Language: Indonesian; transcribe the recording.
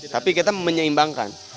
tapi kita menyeimbangkan